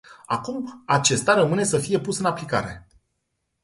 Acum acesta rămâne să fie pus în aplicare.